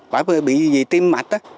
bà bà bị gì tim mạch đó